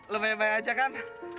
lo baik baik aja kan